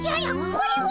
これは！